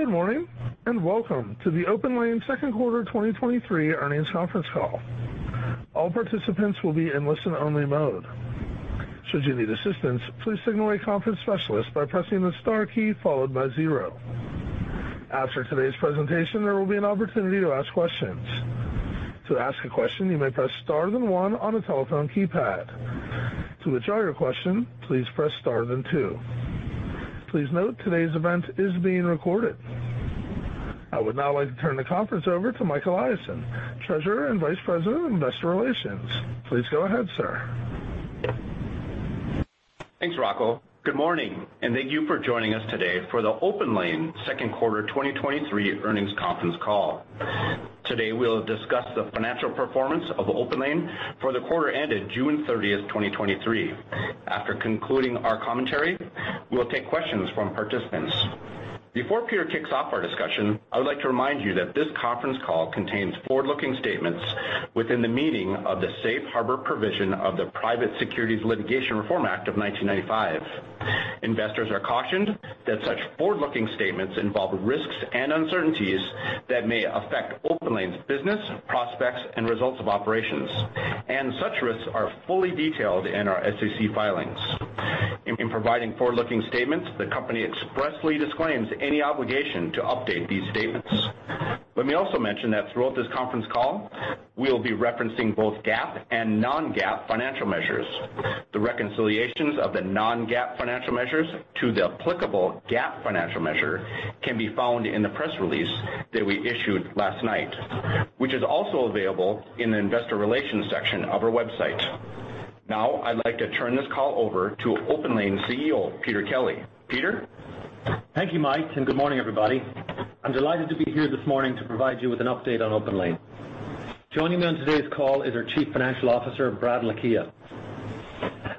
Welcome to the OPENLANE second quarter 2023 Earnings Conference Call. All participants will be in listen-only mode. Should you need assistance, please signal a conference specialist by pressing the star key followed by zero. After today's presentation, there will be an opportunity to ask questions. To ask a question, you may press star then one on the telephone keypad. To withdraw your question, please press star then two. Please note today's event is being recorded. I would now like to turn the conference over to Mike Eliason, Treasurer and Vice President of Investor Relations. Please go ahead, sir. Thanks, Rocco. Good morning, and thank you for joining us today for the OPENLANE Second Quarter 2023 Earnings Conference Call. Today, we'll discuss the financial performance of OPENLANE for the quarter ended June 30, 2023. After concluding our commentary, we'll take questions from participants. Before Peter kicks off our discussion, I would like to remind you that this conference call contains forward-looking statements within the meaning of the Safe Harbor provision of the Private Securities Litigation Reform Act of 1995. Investors are cautioned that such forward-looking statements involve risks and uncertainties that may affect OPENLANE's business, prospects, and results of operations, and such risks are fully detailed in our SEC filings. In providing forward-looking statements, the company expressly disclaims any obligation to update these statements. Let me also mention that throughout this conference call, we'll be referencing both GAAP and non-GAAP financial measures. The reconciliations of the non-GAAP financial measures to the applicable GAAP financial measure can be found in the press release that we issued last night, which is also available in the Investor Relations section of our website. I'd like to turn this call over to OPENLANE CEO, Peter Kelly. Peter? Thank you, Mike, and good morning, everybody. I'm delighted to be here this morning to provide you with an update on OPENLANE. Joining me on today's call is our Chief Financial Officer, Brad Lakhia.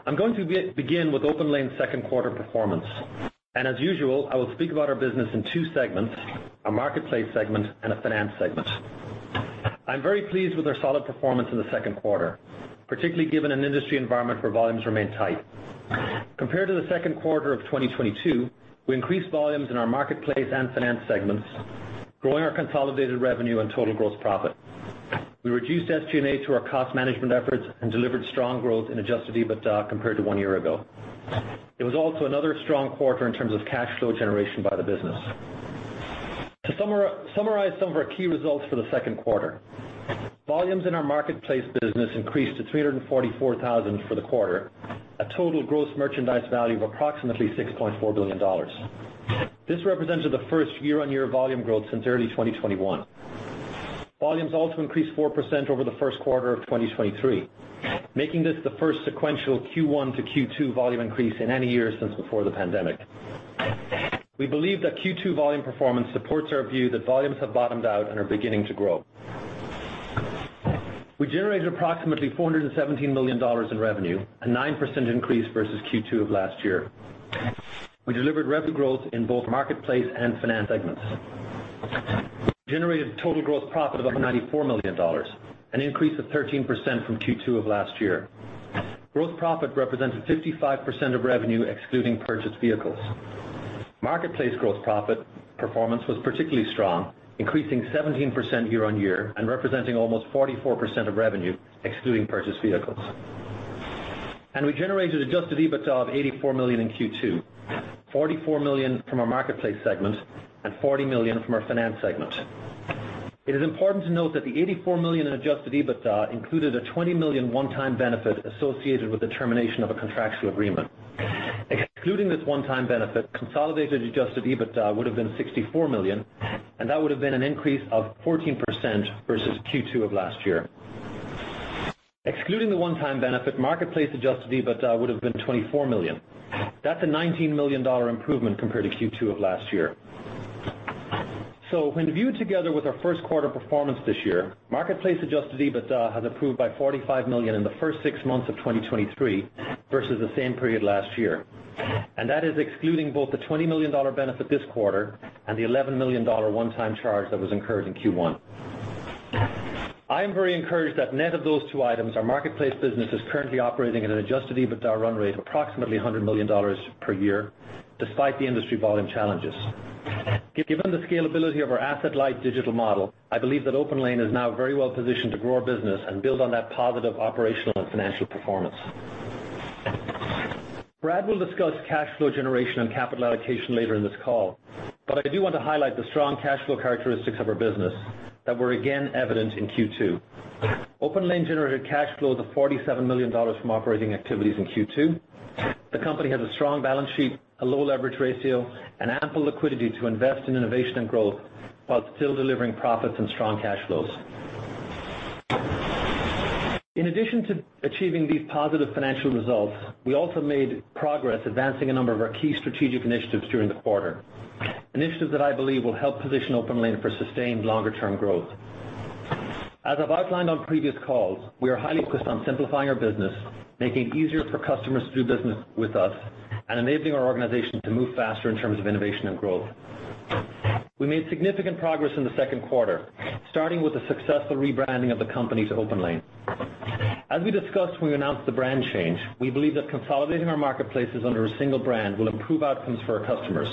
I'm going to begin with OPENLANE's second quarter performance, and as usual, I will speak about our business in two segments, a marketplace segment and a finance segment. I'm very pleased with our solid performance in the second quarter, particularly given an industry environment where volumes remain tight. Compared to the second quarter of 2022, we increased volumes in our marketplace and finance segments, growing our consolidated revenue and total gross profit. We reduced SG&A through our cost management efforts and delivered strong growth in Adjusted EBITDA compared to one year ago. It was also another strong quarter in terms of cash flow generation by the business. To summarize some of our key results for the second quarter, volumes in our marketplace business increased to 344,000 for the quarter, a total gross merchandise value of approximately $6.4 billion. This represented the first year-on-year volume growth since early 2021. Volumes also increased 4% over the first quarter of 2023, making this the first sequential Q1 to Q2 volume increase in any year since before the pandemic. We believe that Q2 volume performance supports our view that volumes have bottomed out and are beginning to grow. We generated approximately $417 million in revenue, a 9% increase versus Q2 of last year. We delivered revenue growth in both marketplace and finance segments. Generated total gross profit of about $94 million, an increase of 13% from Q2 of last year. Gross profit represented 55% of revenue, excluding purchased vehicles. Marketplace gross profit performance was particularly strong, increasing 17% year-over-year and representing almost 44% of revenue, excluding purchased vehicles. We generated Adjusted EBITDA of $84 million in Q2, $44 million from our marketplace segment and $40 million from our finance segment. It is important to note that the $84 million in Adjusted EBITDA included a $20 million one-time benefit associated with the termination of a contractual agreement. Excluding this one-time benefit, consolidated Adjusted EBITDA would have been $64 million, that would have been an increase of 14% versus Q2 of last year. Excluding the one-time benefit, marketplace Adjusted EBITDA would have been $24 million. That's a $19 million improvement compared to Q2 of last year. When viewed together with our first quarter performance this year, marketplace Adjusted EBITDA has improved by $45 million in the first six months of 2023 versus the same period last year, and that is excluding both the $20 million benefit this quarter and the $11 million one-time charge that was incurred in Q1. I am very encouraged that net of those two items, our marketplace business is currently operating at an Adjusted EBITDA run rate of approximately $100 million per year, despite the industry volume challenges. Given the scalability of our asset-light digital model, I believe that OPENLANE is now very well positioned to grow our business and build on that positive operational and financial performance. Brad will discuss cash flow generation and capital allocation later in this call. I do want to highlight the strong cash flow characteristics of our business that were again evident in Q2. OPENLANE generated cash flow of $47 million from operating activities in Q2. The company has a strong balance sheet, a low leverage ratio, and ample liquidity to invest in innovation and growth while still delivering profits and strong cash flows. In addition to achieving these positive financial results, we also made progress advancing a number of our key strategic initiatives during the quarter, initiatives that I believe will help position OPENLANE for sustained longer-term growth. As I've outlined on previous calls, we are highly focused on simplifying our business, making it easier for customers to do business with us, and enabling our organization to move faster in terms of innovation and growth. We made significant progress in the second quarter, starting with the successful rebranding of the company to OPENLANE. As we discussed when we announced the brand change, we believe that consolidating our marketplaces under a single brand will improve outcomes for our customers.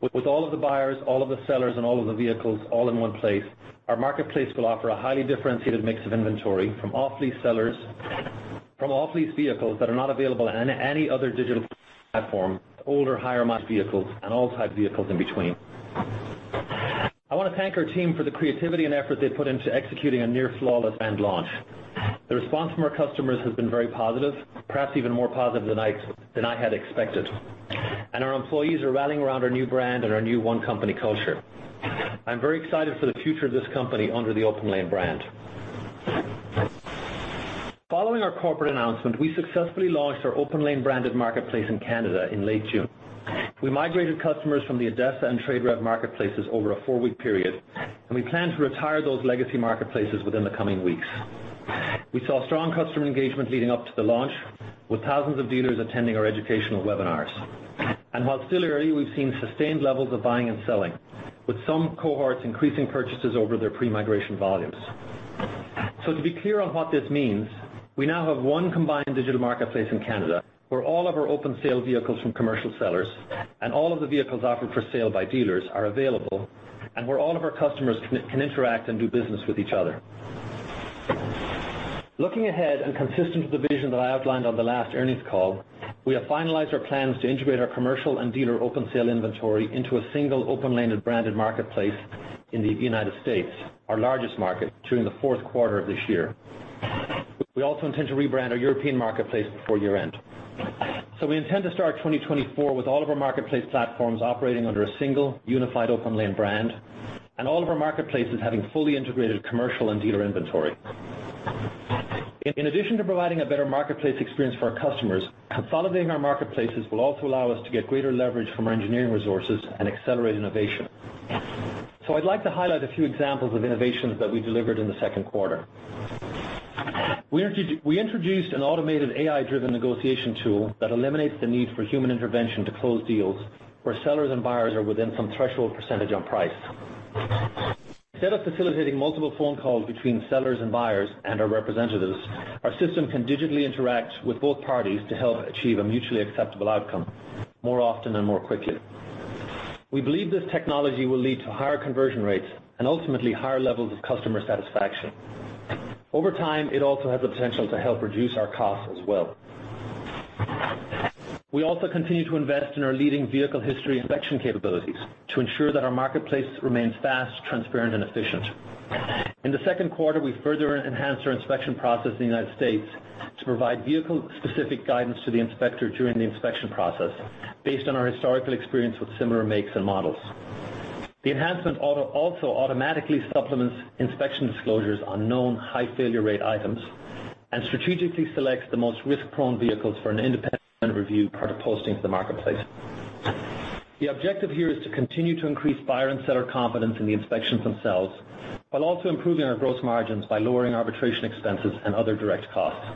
With all of the buyers, all of the sellers, and all of the vehicles all in one place, our marketplace will offer a highly differentiated mix of inventory from off-lease sellers... from all these vehicles that are not available on any other digital platform, older, higher-mileage vehicles, and all types of vehicles in between. I want to thank our team for the creativity and effort they put into executing a near-flawless brand launch. The response from our customers has been very positive, perhaps even more positive than I, than I had expected, and our employees are rallying around our new brand and our new one-company culture. I'm very excited for the future of this company under the OPENLANE brand. Following our corporate announcement, we successfully launched our OPENLANE-branded marketplace in Canada in late June. We migrated customers from the ADESA and TradeRev marketplaces over a four-week period, and we plan to retire those legacy marketplaces within the coming weeks. We saw strong customer engagement leading up to the launch, with thousands of dealers attending our educational webinars. While still early, we've seen sustained levels of buying and selling, with some cohorts increasing purchases over their pre-migration volumes. To be clear on what this means, we now have 1 combined digital marketplace in Canada, where all of our open-sale vehicles from commercial sellers and all of the vehicles offered for sale by dealers are available, and where all of our customers can, can interact and do business with each other. Looking ahead, consistent with the vision that I outlined on the last earnings call, we have finalized our plans to integrate our commercial and dealer open-sale inventory into a single OPENLANE-branded marketplace in the United States, our largest market, during the fourth quarter of this year. We also intend to rebrand our European marketplace before year-end. We intend to start 2024 with all of our marketplace platforms operating under a single, unified OPENLANE brand, and all of our marketplaces having fully integrated commercial and dealer inventory. In addition to providing a better marketplace experience for our customers, consolidating our marketplaces will also allow us to get greater leverage from our engineering resources and accelerate innovation. I'd like to highlight a few examples of innovations that we delivered in the second quarter. We introduced an automated AI-driven negotiation tool that eliminates the need for human intervention to close deals, where sellers and buyers are within some threshold percentage on price. Instead of facilitating multiple phone calls between sellers and buyers and our representatives, our system can digitally interact with both parties to help achieve a mutually acceptable outcome, more often and more quickly. We believe this technology will lead to higher conversion rates and ultimately higher levels of customer satisfaction. Over time, it also has the potential to help reduce our costs as well. We also continue to invest in our leading vehicle history inspection capabilities to ensure that our marketplace remains fast, transparent, and efficient. In the second quarter, we further enhanced our inspection process in the United States to provide vehicle-specific guidance to the inspector during the inspection process, based on our historical experience with similar makes and models. The enhancement also automatically supplements inspection disclosures on known high failure rate items and strategically selects the most risk-prone vehicles for an independent review prior to posting to the marketplace. The objective here is to continue to increase buyer and seller confidence in the inspections themselves, while also improving our gross margins by lowering arbitration expenses and other direct costs.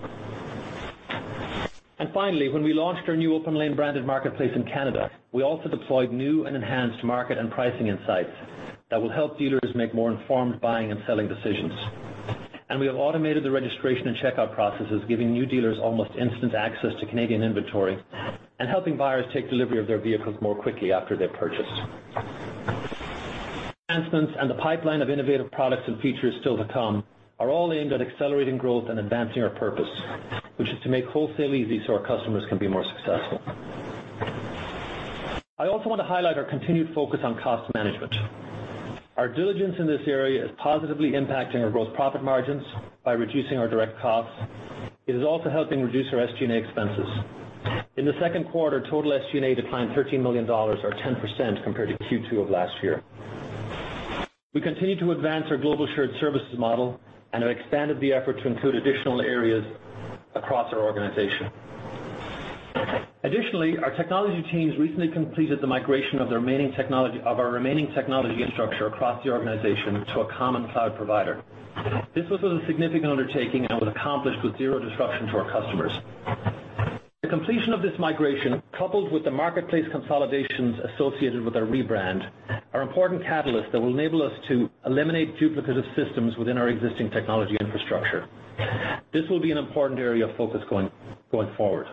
Finally, when we launched our new OPENLANE-branded marketplace in Canada, we also deployed new and enhanced market and pricing insights that will help dealers make more informed buying and selling decisions. We have automated the registration and checkout processes, giving new dealers almost instant access to Canadian inventory and helping buyers take delivery of their vehicles more quickly after their purchase. Enhancements and the pipeline of innovative products and features still to come are all aimed at accelerating growth and advancing our purpose, which is to make wholesale easy so our customers can be more successful. I also want to highlight our continued focus on cost management. Our diligence in this area is positively impacting our gross profit margins by reducing our direct costs. It is also helping reduce our SG&A expenses. In the second quarter, total SG&A declined $13 million or 10% compared to Q2 of last year. We continue to advance our global shared services model and have expanded the effort to include additional areas across our organization. Additionally, our technology teams recently completed the migration of our remaining technology infrastructure across the organization to a common cloud provider. This was a significant undertaking and was accomplished with zero disruption to our customers. The completion of this migration, coupled with the marketplace consolidations associated with our rebrand, are important catalysts that will enable us to eliminate duplicative systems within our existing technology infrastructure. This will be an important area of focus going forward.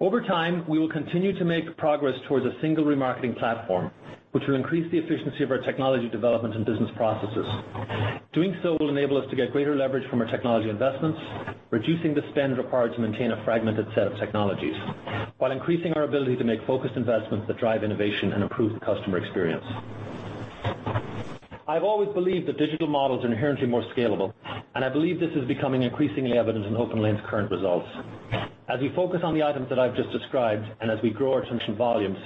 Over time, we will continue to make progress towards a single remarketing platform, which will increase the efficiency of our technology development and business processes. Doing so will enable us to get greater leverage from our technology investments, reducing the spend required to maintain a fragmented set of technologies, while increasing our ability to make focused investments that drive innovation and improve the customer experience. I've always believed that digital models are inherently more scalable, and I believe this is becoming increasingly evident in OPENLANE's current results. As we focus on the items that I've just described, and as we grow our transaction volumes,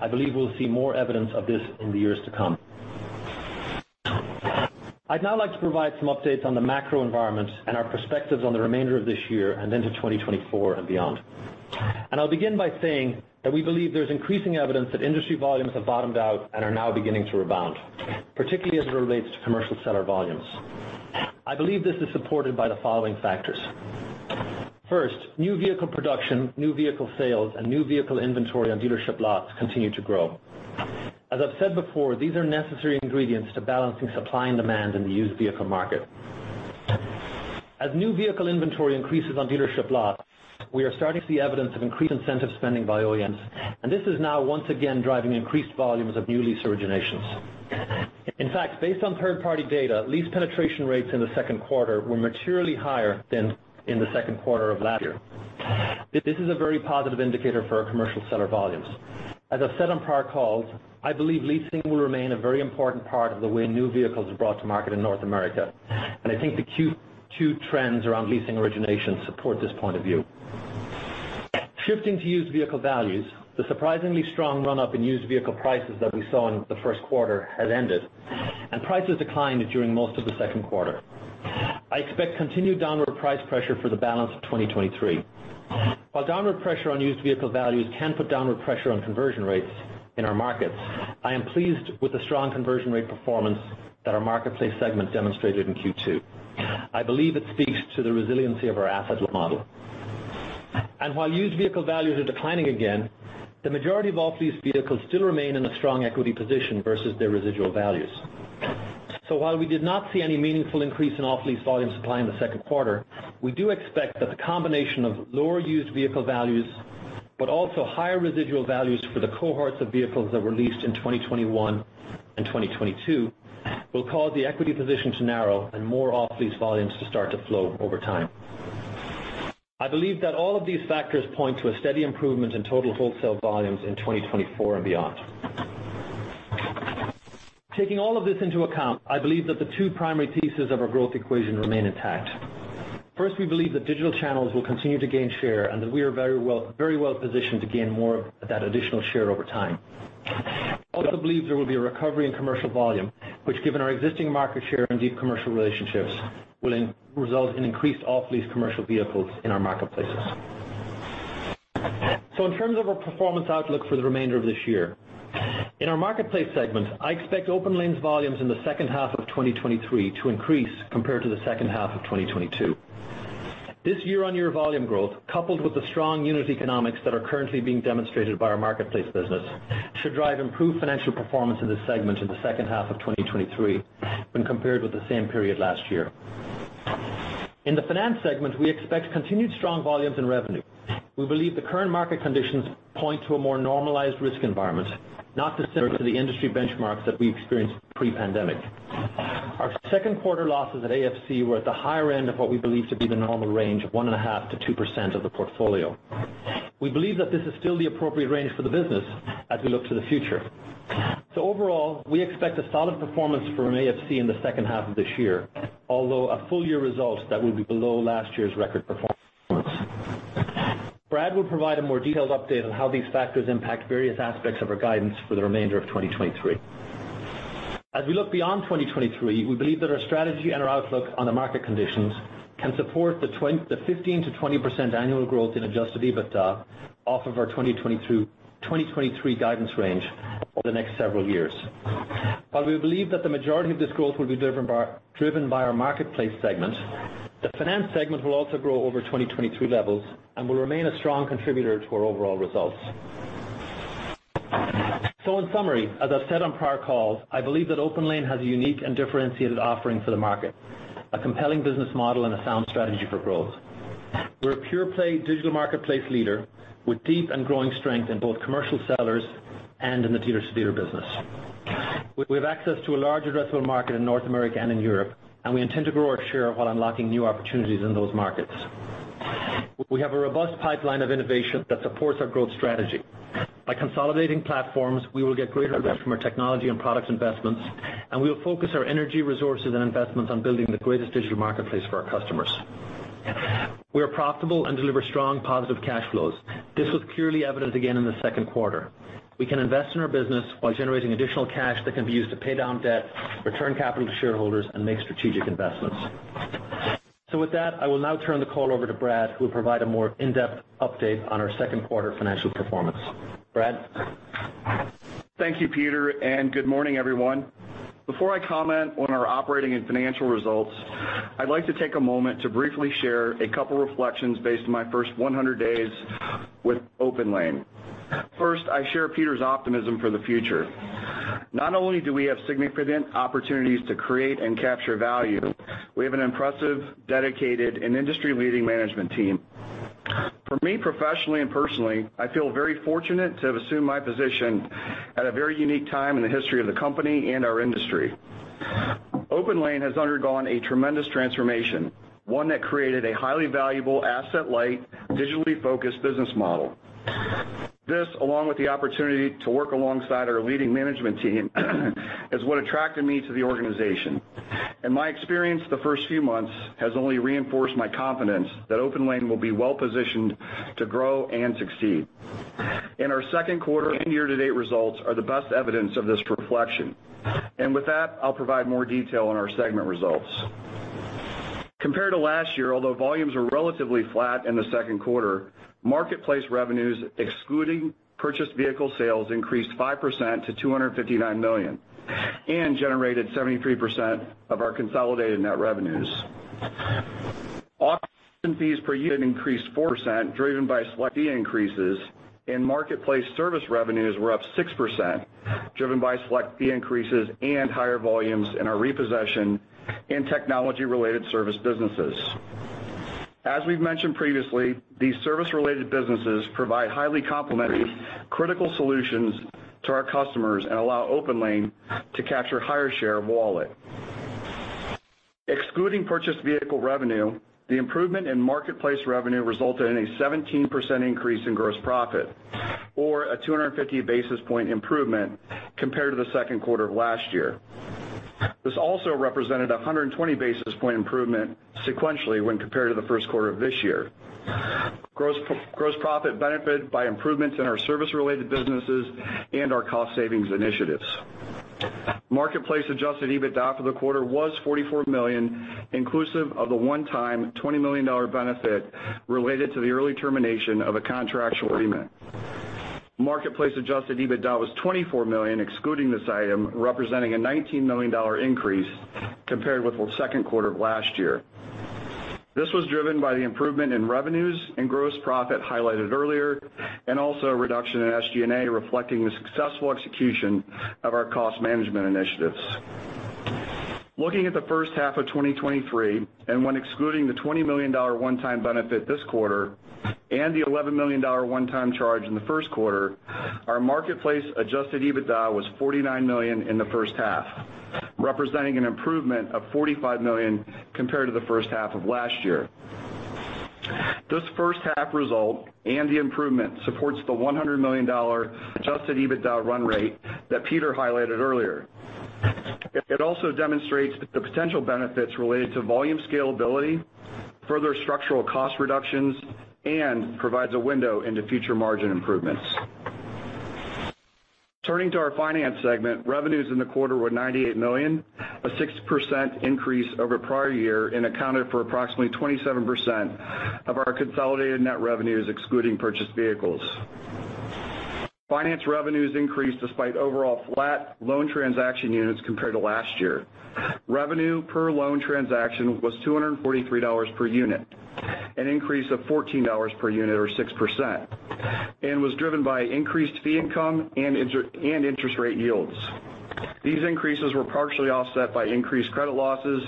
I believe we'll see more evidence of this in the years to come. I'd now like to provide some updates on the macro environment and our perspectives on the remainder of this year and into 2024 and beyond. I'll begin by saying that we believe there's increasing evidence that industry volumes have bottomed out and are now beginning to rebound, particularly as it relates to commercial seller volumes. I believe this is supported by the following factors: First, new vehicle production, new vehicle sales, and new vehicle inventory on dealership lots continue to grow. As I've said before, these are necessary ingredients to balancing supply and demand in the used vehicle market. As new vehicle inventory increases on dealership lots, we are starting to see evidence of increased incentive spending by OEMs, and this is now once again driving increased volumes of new lease originations. In fact, based on third-party data, lease penetration rates in the second quarter were materially higher than in the second quarter of last year. This is a very positive indicator for our commercial seller volumes. As I've said on prior calls, I believe leasing will remain a very important part of the way new vehicles are brought to market in North America, and I think the Q2 trends around leasing origination support this point of view. Shifting to used vehicle values, the surprisingly strong run-up in used vehicle prices that we saw in the first quarter has ended, and prices declined during most of the second quarter. I expect continued downward price pressure for the balance of 2023. While downward pressure on used vehicle values can put downward pressure on conversion rates in our markets, I am pleased with the strong conversion rate performance that our marketplace segment demonstrated in Q2. I believe it speaks to the resiliency of our asset model. While used vehicle values are declining again, the majority of off-lease vehicles still remain in a strong equity position versus their residual values. While we did not see any meaningful increase in off-lease volume supply in the second quarter, we do expect that the combination of lower used vehicle values, but also higher residual values for the cohorts of vehicles that were leased in 2021 and 2022, will cause the equity position to narrow and more off-lease volumes to start to flow over time. I believe that all of these factors point to a steady improvement in total wholesale volumes in 2024 and beyond. Taking all of this into account, I believe that the two primary pieces of our growth equation remain intact. First, we believe that digital channels will continue to gain share and that we are very well, very well positioned to gain more of that additional share over time. We also believe there will be a recovery in commercial volume, which, given our existing market share and deep commercial relationships, will result in increased off-lease commercial vehicles in our marketplaces. In terms of our performance outlook for the remainder of this year, in our marketplace segment, I expect OPENLANE's volumes in the second half of 2023 to increase compared to the second half of 2022. This year-on-year volume growth, coupled with the strong unit economics that are currently being demonstrated by our marketplace business, should drive improved financial performance in this segment in the second half of 2023 when compared with the same period last year. In the finance segment, we expect continued strong volumes and revenue. We believe the current market conditions point to a more normalized risk environment, not dissimilar to the industry benchmarks that we experienced pre-pandemic. Our second quarter losses at AFC were at the higher end of what we believe to be the normal range of 1.5%-2% of the portfolio. We believe that this is still the appropriate range for the business as we look to the future. Overall, we expect a solid performance from AFC in the second half of this year, although a full-year result that will be below last year's record performance. Brad will provide a more detailed update on how these factors impact various aspects of our guidance for the remainder of 2023. As we look beyond 2023, we believe that our strategy and our outlook on the market conditions can support the 15%-20% annual growth in Adjusted EBITDA off of our 2022 2023 guidance range over the next several years. While we believe that the majority of this growth will be driven by our marketplace segment, the finance segment will also grow over 2023 levels and will remain a strong contributor to our overall results. In summary, as I've said on prior calls, I believe that OPENLANE has a unique and differentiated offering for the market, a compelling business model and a sound strategy for growth. We're a pure-play digital marketplace leader with deep and growing strength in both commercial sellers and in the dealer-to-dealer business. We have access to a large addressable market in North America and in Europe, and we intend to grow our share while unlocking new opportunities in those markets. We have a robust pipeline of innovation that supports our growth strategy. By consolidating platforms, we will get greater investment from our technology and products investments, and we will focus our energy, resources, and investments on building the greatest digital marketplace for our customers. We are profitable and deliver strong, positive cash flows. This was clearly evident again in the second quarter. We can invest in our business while generating additional cash that can be used to pay down debt, return capital to shareholders, and make strategic investments. With that, I will now turn the call over to Brad, who will provide a more in-depth update on our second quarter financial performance. Brad? Thank you, Peter. Good morning, everyone. Before I comment on our operating and financial results, I'd like to take a moment to briefly share a couple reflections based on my first 100 days with OPENLANE. First, I share Peter's optimism for the future. Not only do we have significant opportunities to create and capture value, we have an impressive, dedicated, and industry-leading management team. For me, professionally and personally, I feel very fortunate to have assumed my position at a very unique time in the history of the company and our industry. OPENLANE has undergone a tremendous transformation, one that created a highly valuable, asset-light, digitally focused business model. This, along with the opportunity to work alongside our leading management team, is what attracted me to the organization. In my experience, the first few months has only reinforced my confidence that OPENLANE will be well positioned to grow and succeed. Our second quarter and year-to-date results are the best evidence of this reflection. With that, I'll provide more detail on our segment results. Compared to last year, although volumes were relatively flat in the second quarter, marketplace revenues, excluding purchased vehicle sales, increased 5%-$259 million and generated 73% of our consolidated net revenues. Auction fees per unit increased 4%, driven by select fee increases, and marketplace service revenues were up 6%, driven by select fee increases and higher volumes in our repossession and technology-related service businesses. As we've mentioned previously, these service-related businesses provide highly complementary critical solutions to our customers and allow OPENLANE to capture higher share of wallet. Excluding purchased vehicle revenue, the improvement in marketplace revenue resulted in a 17% increase in gross profit, or a 250 basis point improvement compared to the second quarter of last year. This also represented a 120 basis point improvement sequentially, when compared to the first quarter of this year. Gross profit benefited by improvements in our service-related businesses and our cost savings initiatives. Marketplace-Adjusted EBITDA for the quarter was $44 million, inclusive of the one-time $20 million benefit related to the early termination of a contractual agreement. Marketplace-Adjusted EBITDA was $24 million, excluding this item, representing a $19 million increase compared with the second quarter of last year. This was driven by the improvement in revenues and gross profit highlighted earlier, and also a reduction in SG&A, reflecting the successful execution of our cost management initiatives. Looking at the first half of 2023, when excluding the $20 million one-time benefit this quarter and the $11 million one-time charge in the first quarter, our marketplace-Adjusted EBITDA was $49 million in the first half, representing an improvement of $45 million compared to the first half of last year. This first half result and the improvement supports the $100 million Adjusted EBITDA run rate that Peter highlighted earlier. It also demonstrates the potential benefits related to volume scalability, further structural cost reductions, and provides a window into future margin improvements. Turning to our Finance segment, revenues in the quarter were $98 million, a 6% increase over prior year, and accounted for approximately 27% of our consolidated net revenues, excluding purchased vehicles. Finance revenues increased despite overall flat loan transaction units compared to last year. Revenue per loan transaction was $243 per unit, an increase of $14 per unit, or 6%, and was driven by increased fee income and inter- and interest rate yields. These increases were partially offset by increased credit losses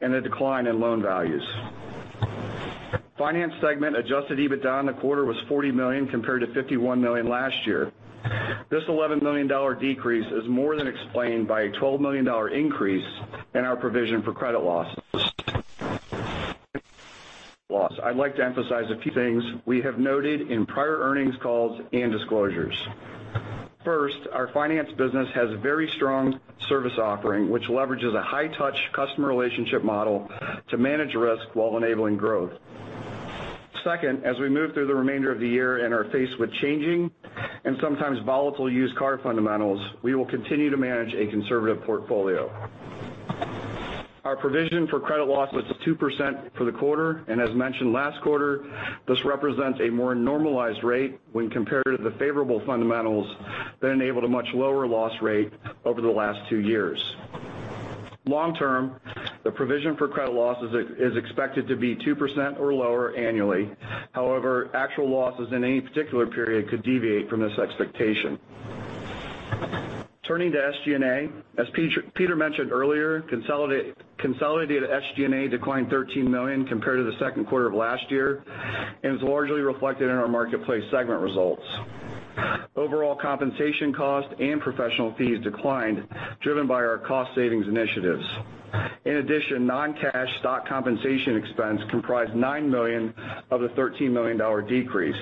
and a decline in loan values. Finance segment Adjusted EBITDA in the quarter was $40 million, compared to $51 million last year. This $11 million decrease is more than explained by a $12 million increase in our provision for credit losses. I'd like to emphasize a few things we have noted in prior earnings calls and disclosures. First, our finance business has a very strong service offering, which leverages a high-touch customer relationship model to manage risk while enabling growth. Second, as we move through the remainder of the year and are faced with changing and sometimes volatile used car fundamentals, we will continue to manage a conservative portfolio. Our provision for credit loss was 2% for the quarter. As mentioned last quarter, this represents a more normalized rate when compared to the favorable fundamentals that enabled a much lower loss rate over the last two years. Long term, the provision for credit losses is expected to be 2% or lower annually. However, actual losses in any particular period could deviate from this expectation. Turning to SG&A. As Peter mentioned earlier, consolidated SG&A declined $13 million compared to the second quarter of last year and is largely reflected in our marketplace segment results. Overall, compensation costs and professional fees declined, driven by our cost savings initiatives. In addition, non-cash stock compensation expense comprised $9 million of the $13 million decrease.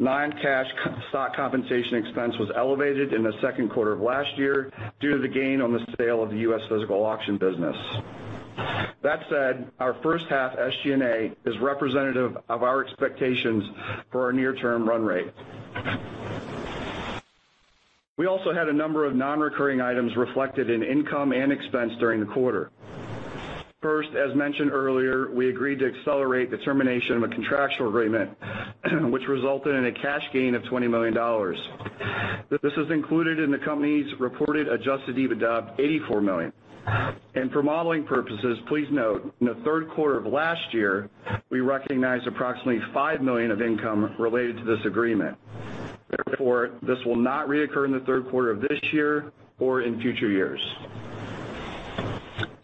Non-cash stock compensation expense was elevated in the second quarter of last year due to the gain on the sale of the U.S. physical auction business. That said, our first half SG&A is representative of our expectations for our near-term run rate. We also had a number of non-recurring items reflected in income and expense during the quarter. First, as mentioned earlier, we agreed to accelerate the termination of a contractual agreement, which resulted in a cash gain of $20 million. This is included in the company's reported Adjusted EBITDA, $84 million. For modeling purposes, please note, in the third quarter of last year, we recognized approximately $5 million of income related to this agreement. Therefore, this will not reoccur in the third quarter of this year or in future years.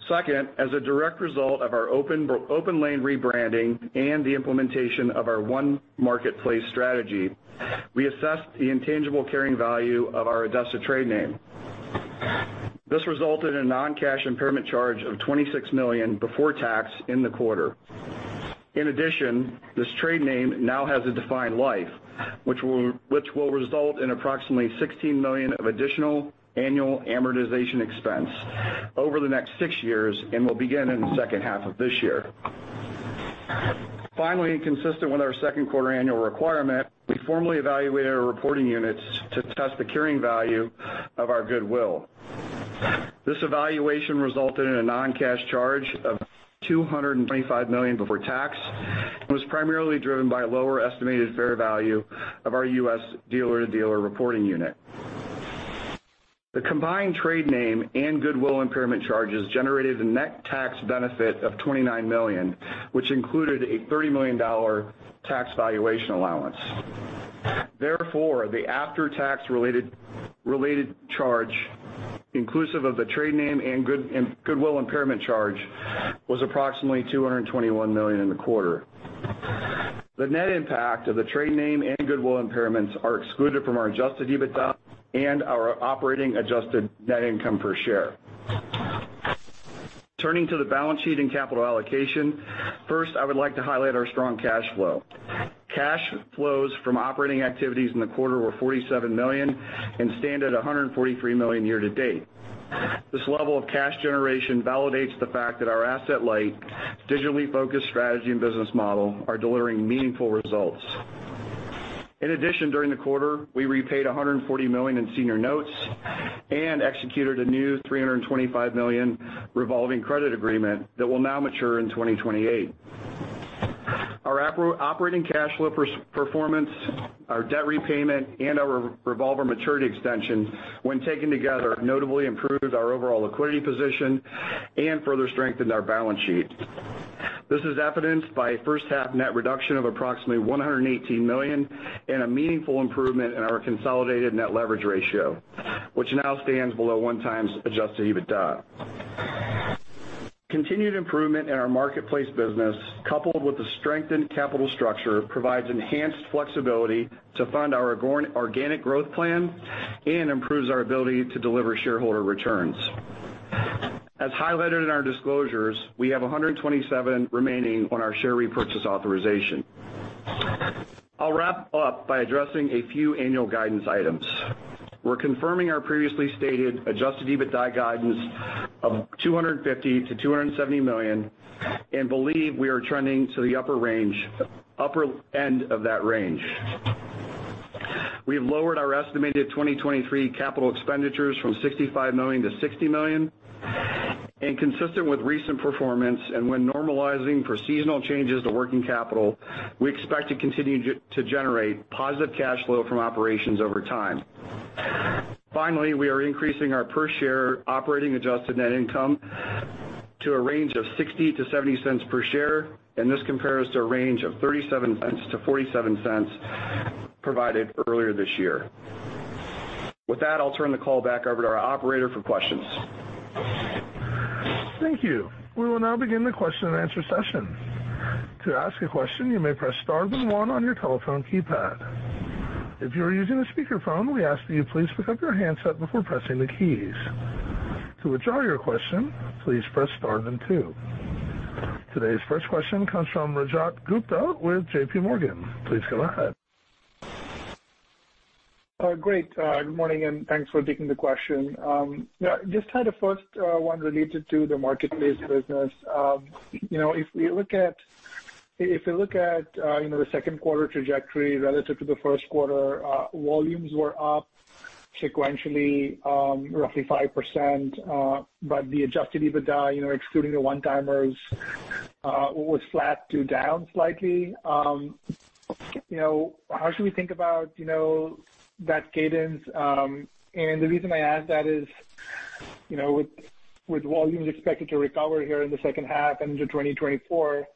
Second, as a direct result of our OPENLANE rebranding and the implementation of our one marketplace strategy, we assessed the intangible carrying value of our ADESA tradename. This resulted in a non-cash impairment charge of $26 million before tax in the quarter. In addition, this tradename now has a defined life, which will result in approximately $16 million of additional annual amortization expense over the next six years and will begin in the second half of this year. Finally, and consistent with our second quarter annual requirement, we formally evaluated our reporting units to test the carrying value of our goodwill. This evaluation resulted in a non-cash charge of $225 million before tax, and was primarily driven by a lower estimated fair value of our U.S. dealer-to-dealer reporting unit. The combined trade name and goodwill impairment charges generated a net tax benefit of $29 million, which included a $30 million tax valuation allowance. Therefore, the after-tax related, related charge, inclusive of the trade name and good- and goodwill impairment charge, was approximately $221 million in the quarter. The net impact of the trade name and goodwill impairments are excluded from our Adjusted EBITDA. ... and our operating adjusted net income per share. Turning to the balance sheet and capital allocation, first, I would like to highlight our strong cash flow. Cash flows from operating activities in the quarter were $47 million and stand at $143 million year to date. This level of cash generation validates the fact that our asset-light, digitally focused strategy and business model are delivering meaningful results. In addition, during the quarter, we repaid $140 million in senior notes and executed a new $325 million revolving credit agreement that will now mature in 2028. Our operating cash flow performance, our debt repayment, and our revolver maturity extension, when taken together, notably improved our overall liquidity position and further strengthened our balance sheet. This is evidenced by first half net reduction of approximately $118 million, and a meaningful improvement in our consolidated net leverage ratio, which now stands below 1x Adjusted EBITDA. Continued improvement in our marketplace business, coupled with the strengthened capital structure, provides enhanced flexibility to fund our organic growth plan and improves our ability to deliver shareholder returns. As highlighted in our disclosures, we have 127 remaining on our share repurchase authorization. I'll wrap up by addressing a few annual guidance items. We're confirming our previously stated Adjusted EBITDA guidance of $250 million-$270 million, and believe we are trending to the upper range, upper end of that range. We have lowered our estimated 2023 capital expenditures from $65 million-$60 million. Consistent with recent performance, and when normalizing for seasonal changes to working capital, we expect to continue to generate positive cash flow from operations over time. Finally, we are increasing our per share operating adjusted net income to a range of $0.60-$0.70 per share, and this compares to a range of $0.37-$0.47 provided earlier this year. With that, I'll turn the call back over to our operator for questions. Thank you. We will now begin the question and answer session. To ask a question, you may press star then one on your telephone keypad. If you are using a speakerphone, we ask that you please pick up your handset before pressing the keys. To withdraw your question, please press star then two. Today's first question comes from Rajat Gupta with JPMorgan. Please go ahead. Great, good morning, and thanks for taking the question. Yeah, just had a first one related to the marketplace business. You know, if we look at, you know, the second quarter trajectory relative to the first quarter, volumes were up sequentially, roughly 5%, but the adjusted EBITDA, you know, excluding the one-timers, was flat to down slightly. You know, how should we think about, you know, that cadence? The reason I ask that is, you know, with, with volumes expected to recover here in the second half into 2024,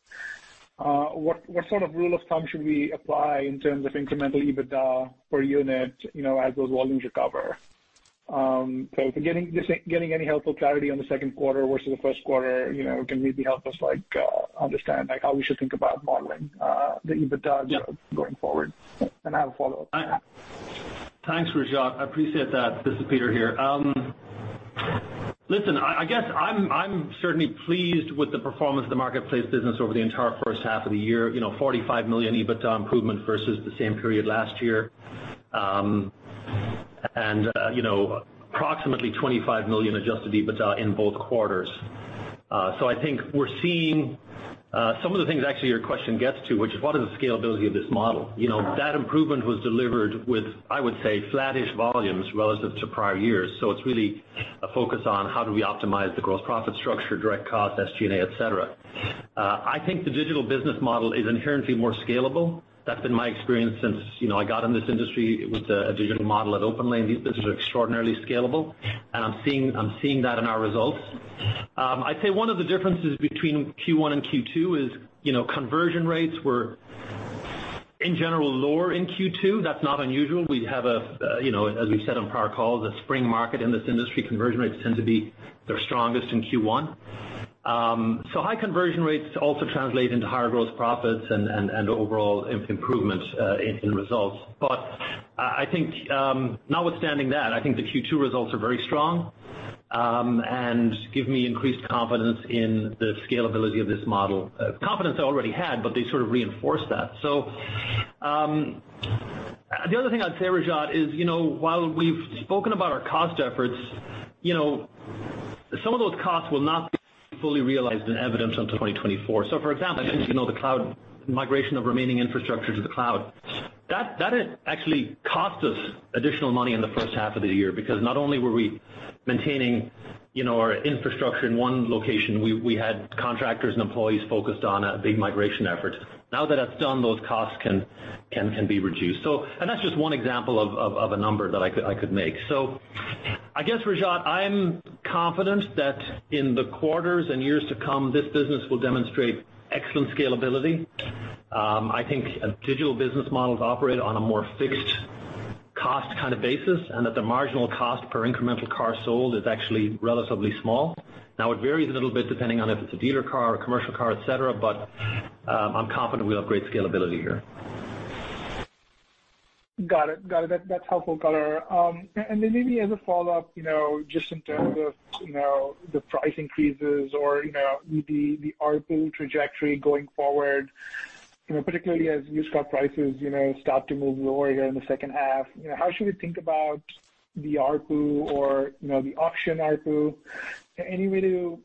what, what sort of rule of thumb should we apply in terms of incremental EBITDA per unit, you know, as those volumes recover? If you're getting this, getting any helpful clarity on the second quarter versus the first quarter, you know, it can really help us, like, understand, like, how we should think about modeling the EBITDA... Yeah. going forward. I have a follow-up. Thanks, Rajat. I appreciate that. This is Peter here. Listen, I, I guess I'm, I'm certainly pleased with the performance of the marketplace business over the entire first half of the year. You know, $45 million EBITDA improvement versus the same period last year. You know, approximately $25 million Adjusted EBITDA in both quarters. I think we're seeing some of the things actually your question gets to, which is, what is the scalability of this model. You know, that improvement was delivered with, I would say, flattish volumes relative to prior years. It's really a focus on how do we optimize the gross profit structure, direct costs, SG&A, et cetera. I think the digital business model is inherently more scalable. That's been my experience since, you know, I got in this industry with a digital model at OPENLANE. These businesses are extraordinarily scalable, I'm seeing, I'm seeing that in our results. I'd say one of the differences between Q1 and Q2 is, you know, conversion rates were, in general, lower in Q2. That's not unusual. We have a, you know, as we've said on prior calls, a spring market in this industry, conversion rates tend to be their strongest in Q1. High conversion rates also translate into higher growth profits and, and, and overall improvement in results. I think, notwithstanding that, I think the Q2 results are very strong, and give me increased confidence in the scalability of this model. Confidence I already had, but they sort of reinforced that. The other thing I'd say, Rajat, is, you know, while we've spoken about our cost efforts, you know, some of those costs will not be fully realized and evidenced until 2024. For example, as you know, the cloud... migration of remaining infrastructure to the cloud, that, that actually cost us additional money in the first half of the year, because not only were we maintaining, you know, our infrastructure in one location, we, we had contractors and employees focused on a big migration effort. Now that that's done, those costs can, can, can be reduced. That's just one example of, of, of a number that I could, I could make. I guess, Rajat, I'm confident that in the quarters and years to come, this business will demonstrate excellent scalability. I think digital business models operate on a more fixed cost kind of basis, and that the marginal cost per incremental car sold is actually relatively small. Now, it varies a little bit depending on if it's a dealer car or commercial car, et cetera, but I'm confident we have great scalability here. Got it. Got it. That, that's helpful color. Then maybe as a follow-up, you know, just in terms of, you know, the price increases or, you know, the, the ARPU trajectory going forward, you know, particularly as used car prices, you know, start to move lower here in the second half, you know, how should we think about the ARPU or, you know, the auction ARPU? Any way to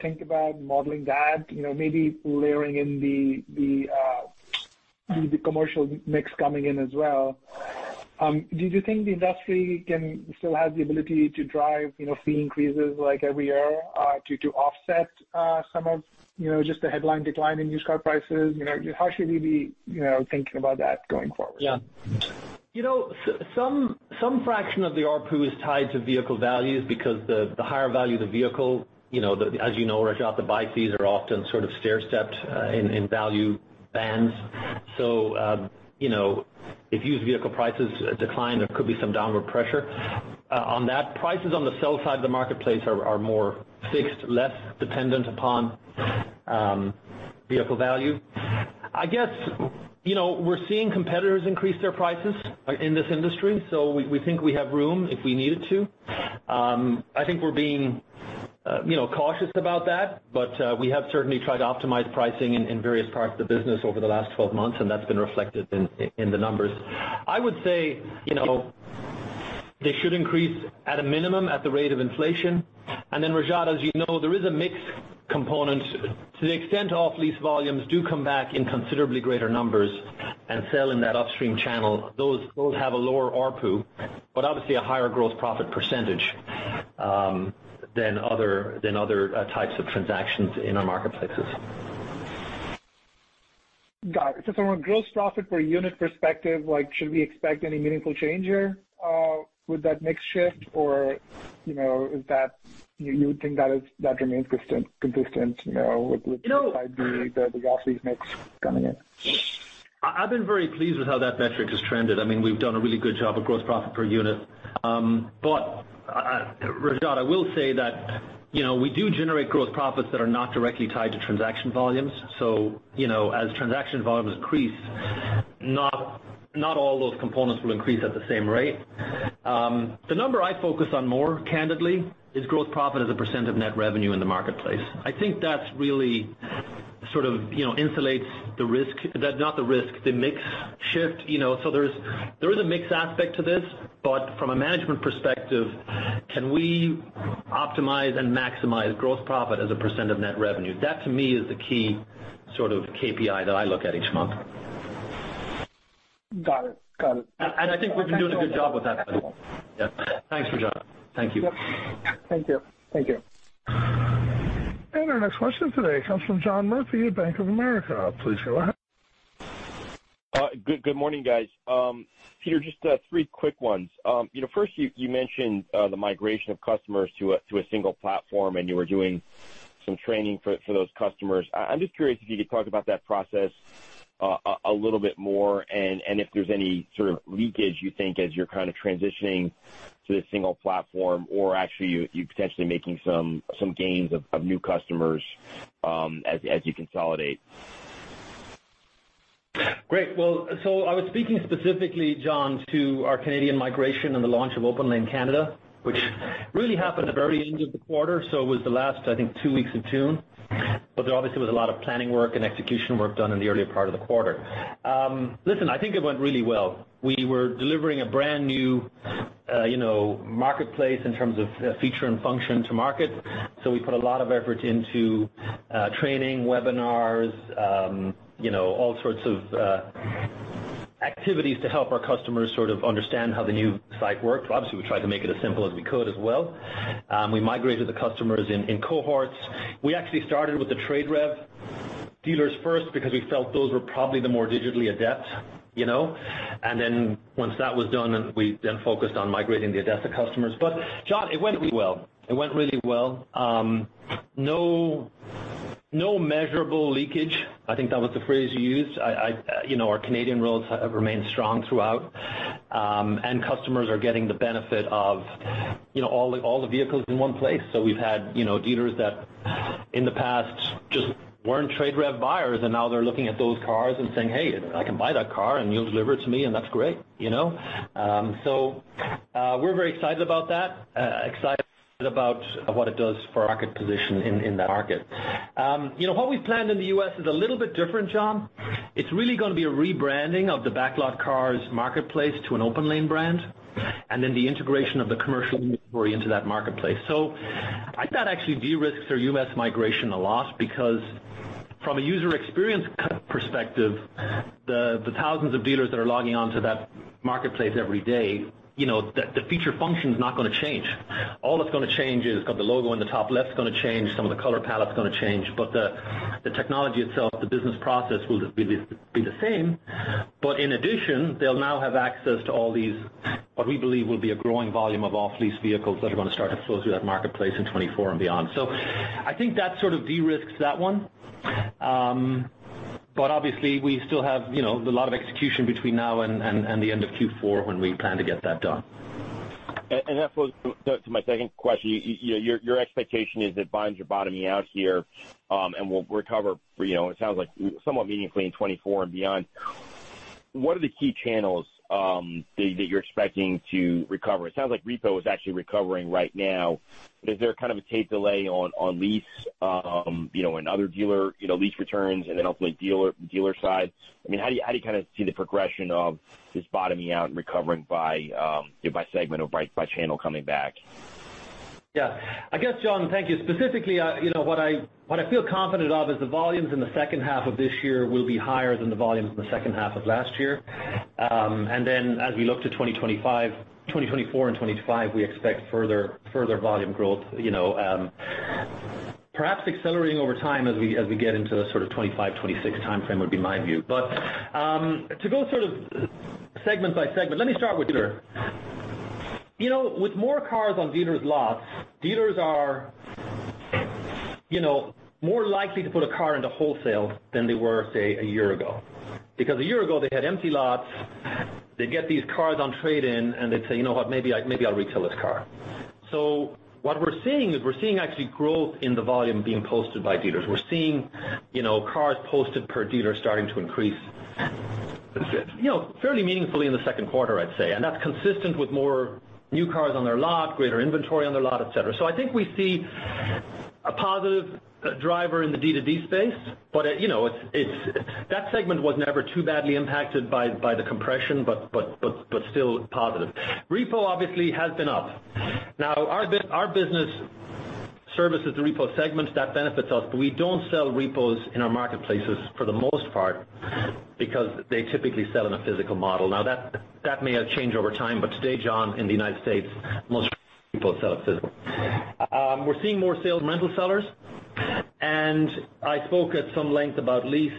think about modeling that, you know, maybe layering in the, the, the commercial mix coming in as well? Do you think the industry can still have the ability to drive, you know, fee increases like every year, to, to offset, some of, you know, just the headline decline in used car prices? You know, how should we be, you know, thinking about that going forward? Yeah. You know, some fraction of the ARPU is tied to vehicle values because the, the higher value the vehicle, you know, as you know, Rajat, the buy fees are often sort of stair stepped in value bands. So, you know, if used vehicle prices decline, there could be some downward pressure on that. Prices on the sell side of the marketplace are, are more fixed, less dependent upon, vehicle value. I guess, you know, we're seeing competitors increase their prices in this industry, so we, we think we have room if we needed to. I think we're being, you know, cautious about that, but, we have certainly tried to optimize pricing in various parts of the business over the last 12 months, and that's been reflected in the numbers. I would say, you know, they should increase at a minimum, at the rate of inflation. Then, Rajat, as you know, there is a mixed component. To the extent off-lease volumes do come back in considerably greater numbers and sell in that upstream channel, those, those have a lower ARPU, but obviously a higher growth profit percentage, than other, than other, types of transactions in our marketplaces. Got it. From a gross profit per unit perspective, like, should we expect any meaningful change here? Would that mix shift or, you know, is that, you would think that is, that remains consistent, you know, with, with the, the off-lease mix coming in? I've been very pleased with how that metric has trended. I mean, we've done a really good job of gross profit per unit. Rajat, I will say that, you know, we do generate gross profits that are not directly tied to transaction volumes. You know, as transaction volumes increase, not, not all those components will increase at the same rate. The number I focus on more candidly, is gross profit as a % of net revenue in the marketplace. I think that's really sort of, you know, insulates the risk. That, not the risk, the mix shift, you know. There's, there is a mix aspect to this, but from a management perspective, can we optimize and maximize gross profit as a % of net revenue. That, to me, is the key sort of KPI that I look at each month. Got it. Got it. I think we've been doing a good job with that. Yeah. Thanks, Rajat. Thank you. Thank you. Thank you. Our next question today comes from John Murphy at Bank of America. Please go ahead. Good, good morning, guys. Peter, just three quick ones. First, you, you mentioned the migration of customers to a, to a single platform, and you were doing some training for, for those customers. I'm just curious if you could talk about that process a little bit more, and if there's any sort of leakage, you think, as you're kind of transitioning to the single platform, or actually, you, you potentially making some, some gains of new customers, as you consolidate? Great. I was speaking specifically, John, to our Canadian migration and the launch of OPENLANE Canada, which really happened at the very end of the quarter, so it was the last, I think, two weeks of June. There obviously was a lot of planning work and execution work done in the earlier part of the quarter. Listen, I think it went really well. We were delivering a brand new, you know, marketplace in terms of, feature and function to market, so we put a lot of effort into, training, webinars, you know, all sorts of, activities to help our customers sort of understand how the new site worked. Obviously, we tried to make it as simple as we could as well. We migrated the customers in, in cohorts. We actually started with the TradeRev dealers first, because we felt those were probably the more digitally adept, you know? Then once that was done, then we then focused on migrating the ADESA customers. John, it went really well. It went really well. No, no measurable leakage. I think that was the phrase you used. I, I... You know, our Canadian roads have remained strong throughout, and customers are getting the benefit of, you know, all the, all the vehicles in one place. We've had, you know, dealers that in the past just weren't TradeRev buyers, and now they're looking at those cars and saying, hey, I can buy that car, and you'll deliver it to me, and that's great. We're very excited about that, excited about what it does for our market position in, in that market. You know, what we've planned in the U.S. is a little bit different, John. It's really gonna be a rebranding of the Backlot Cars marketplace to an OPENLANE brand, and then the integration of the commercial inventory into that marketplace. I thought actually, de-risk for U.S. migration a lot, because from a user experience kind of perspective, the, the thousands of dealers that are logging on to that marketplace every day, you know, the, the feature function is not gonna change. All that's gonna change is, got the logo on the top left, is gonna change, some of the color palette is gonna change, but the, the technology itself, the business process, will be the, be the same. In addition, they'll now have access to all these, what we believe will be a growing volume of off-lease vehicles that are gonna start to flow through that marketplace in 2024 and beyond. I think that sort of de-risks that one. Obviously, we still have, you know, a lot of execution between now and, and, and the end of Q4 when we plan to get that done. That flows to my second question. Your, your expectation is that volumes are bottoming out here, and will recover for, you know, it sounds like somewhat meaningfully in 2024 and beyond. What are the key channels that you're expecting to recover? It sounds like repo is actually recovering right now, but is there kind of a tape delay on, on lease, you know, and other dealer, you know, lease returns and then ultimately dealer, dealer side? I mean, how do you, how do you kind of see the progression of this bottoming out and recovering by segment or by channel coming back? Yeah, I guess, John, thank you. Specifically, you know, what I, what I feel confident of is the volumes in the second half of this year will be higher than the volumes in the second half of last year. As we look to 2025... 2024 and 2025, we expect further, further volume growth, you know, perhaps accelerating over time as we, as we get into the sort of 2025, 2026 timeframe would be my view. To go sort of segment by segment, let me start with dealer. You know, with more cars on dealers' lots, dealers are, you know, more likely to put a car into wholesale than they were, say, a year ago. Because a year ago, they had empty lots. They get these cars on trade-in, and they'd say, you know what? Maybe I, maybe I'll retail this car. What we're seeing is we're seeing actually growth in the volume being posted by dealers. We're seeing, you know, cars posted per dealer starting to increase, you know, fairly meaningfully in the second quarter, I'd say. That's consistent with more new cars on their lot, greater inventory on their lot, et cetera. I think we see a positive driver in the D2D space, but, you know, it's that segment was never too badly impacted by the compression, but still positive. Repo obviously has been up. Our business services, the repo segment, that benefits us, but we don't sell repos in our marketplaces for the most part because they typically sell in a physical model. That, that may have changed over time, but today, John, in the United States, most people sell physical. We're seeing more sales rental sellers, and I spoke at some length about lease.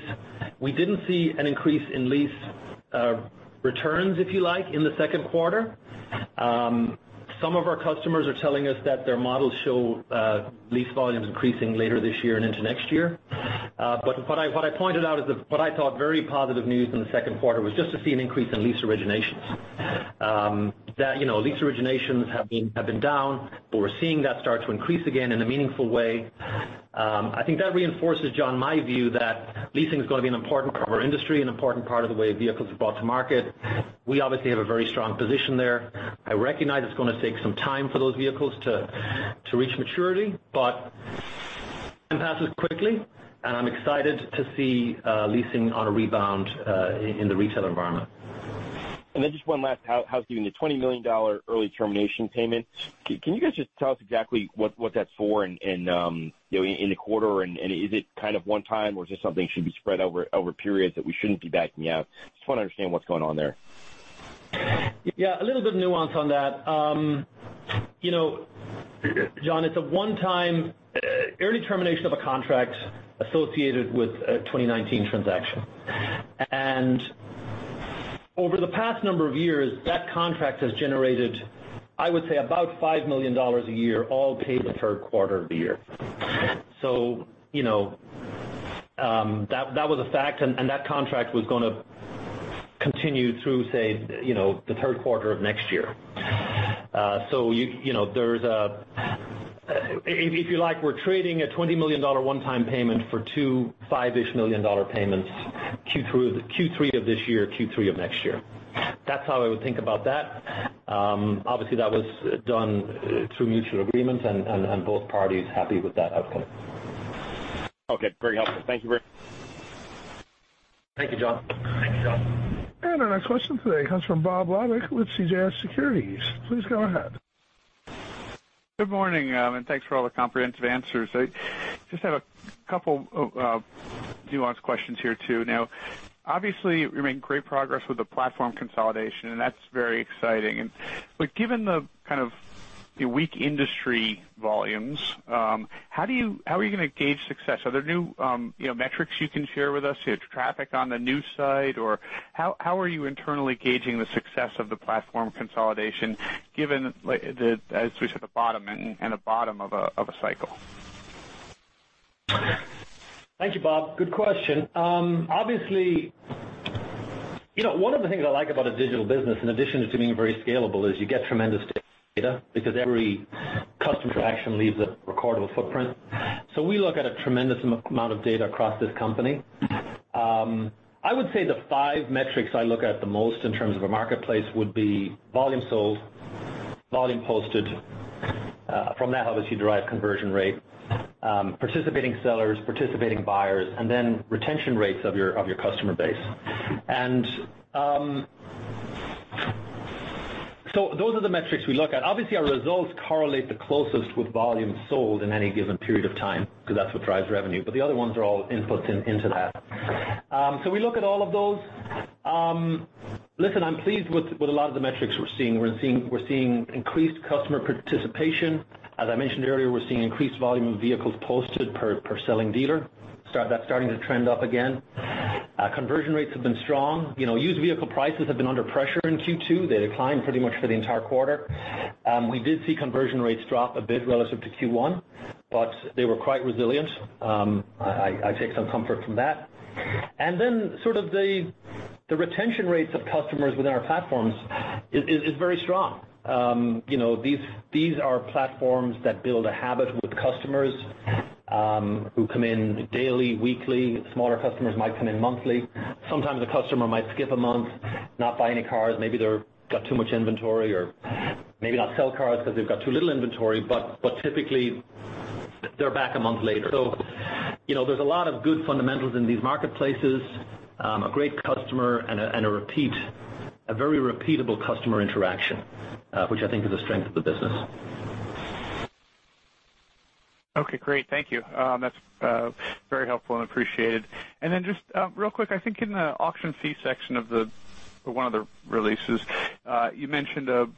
We didn't see an increase in lease returns, if you like, in the second quarter. Some of our customers are telling us that their models show lease volumes increasing later this year and into next year. What I, what I pointed out is that what I thought very positive news in the second quarter was just to see an increase in lease originations. That, you know, lease originations have been, have been down, but we're seeing that start to increase again in a meaningful way. I think that reinforces, John, my view that leasing is going to be an important part of our industry, an important part of the way vehicles are brought to market. We obviously have a very strong position there. I recognize it's going to take some time for those vehicles to reach maturity, but time passes quickly, and I'm excited to see leasing on a rebound in the retail environment. Then just one last. How is the $20 million early termination payment? Can you guys just tell us exactly what, what that's for and, and, you know, in the quarter, and, and is it kind of one time, or is this something should be spread over, over periods that we shouldn't be backing out? Just want to understand what's going on there. Yeah, a little bit of nuance on that. You know, John, it's a one-time, early termination of a contract associated with a 2019 transaction. Over the past number of years, that contract has generated, I would say, about $5 million a year, all paid in the third quarter of the year. You know, that, that was a fact, and, and that contract was gonna continue through, say, you know, the third quarter of next year. You, you know, there's a... If you like, we're trading a $20 million one-time payment for two $5 million-ish payments, Q2, Q3 of this year, Q3 of next year. That's how I would think about that. Obviously, that was done through mutual agreement and, and, and both parties happy with that outcome. Okay, very helpful. Thank you very much. Thank you, John. Thank you, John. Our next question today comes from Bob Labick with CJS Securities. Please go ahead. Good morning. Thanks for all the comprehensive answers. I just have a couple of nuanced questions here, too. Now, obviously, you're making great progress with the platform consolidation, and that's very exciting. Given the kind of the weak industry volumes, how are you going to gauge success? Are there new, you know, metrics you can share with us, traffic on the new site, or how are you internally gauging the success of the platform consolidation, given the, as we said, the bottom and the bottom of a cycle? Thank you, Bob. Good question. Obviously, you know, one of the things I like about a digital business, in addition to being very scalable, is you get tremendous data because every customer interaction leaves a record of a footprint. So we look at a tremendous amount of data across this company. I would say the five metrics I look at the most in terms of a marketplace would be volume sold, volume posted, from that, obviously derive conversion rate, participating sellers, participating buyers, and then retention rates of your, of your customer base. So those are the metrics we look at. Obviously, our results correlate the closest with volume sold in any given period of time, because that's what drives revenue, but the other ones are all inputs in, into that. So we look at all of those. Listen, I'm pleased with, with a lot of the metrics we're seeing. We're seeing, we're seeing increased customer participation. As I mentioned earlier, we're seeing increased volume of vehicles posted per, per selling dealer. That's starting to trend up again. Conversion rates have been strong. You know, used vehicle prices have been under pressure in Q2. They declined pretty much for the entire quarter. We did see conversion rates drop a bit relative to Q1.... but they were quite resilient. I, I take some comfort from that. Then sort of the, the retention rates of customers within our platforms is, is, is very strong. You know, these, these are platforms that build a habit with customers, who come in daily, weekly, smaller customers might come in monthly. Sometimes a customer might skip a month, not buy any cars. Maybe they've got too much inventory, or maybe not sell cars because they've got too little inventory, but, but typically they're back a month later. You know, there's a lot of good fundamentals in these marketplaces, a great customer and a, and a repeat- a very repeatable customer interaction, which I think is the strength of the business. Okay, great. Thank you. That's very helpful and appreciated. Then just real quick, I think in the auction fee section of the, one of the releases, you mentioned a,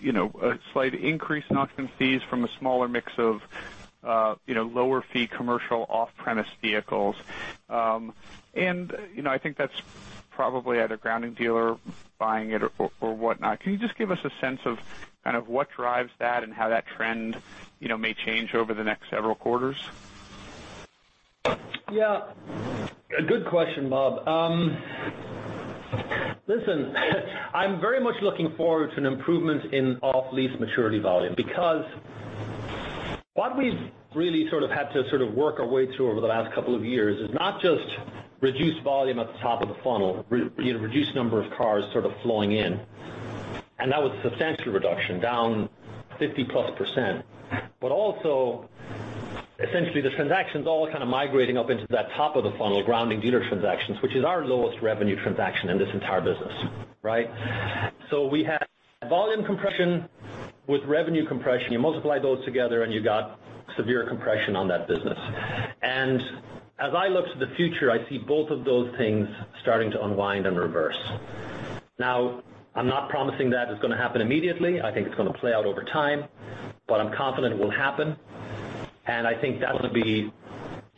you know, a slight increase in auction fees from a smaller mix of, you know, lower fee commercial off-premise vehicles. You know, I think that's probably at a grounding dealer buying it or, or whatnot. Can you just give us a sense of kind of what drives that and how that trend, you know, may change over the next several quarters? Yeah, a good question, Bob. Listen, I'm very much looking forward to an improvement in off-lease maturity volume because what we've really had to work our way through over the last couple of years is not just reduced volume at the top of the funnel, you know, reduced number of cars flowing in, and that was a substantial reduction, down 50%+. Also, essentially, the transactions all kind of migrating up into that top of the funnel, grounding dealer transactions, which is our lowest revenue transaction in this entire business, right? We had volume compression with revenue compression. You multiply those together, and you got severe compression on that business. As I look to the future, I see both of those things starting to unwind and reverse. I'm not promising that it's going to happen immediately. I think it's going to play out over time, but I'm confident it will happen, and I think that's going to be,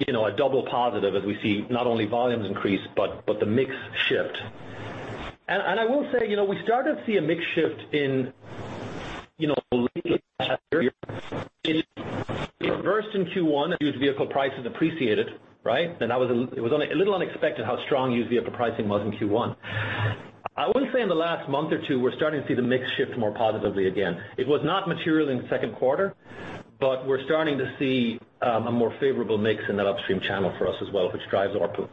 you know, a double positive as we see not only volumes increase, but, but the mix shift. I will say, you know, we started to see a mix shift in, you know, lately, it reversed in Q1 as used vehicle prices appreciated, right? That was a little unexpected how strong used vehicle pricing was in Q1. I would say in the last month or two, we're starting to see the mix shift more positively again. It was not material in the second quarter, but we're starting to see a more favorable mix in that upstream channel for us as well, which drives our pool.